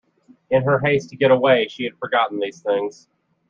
In her haste to get away she had forgotten these things.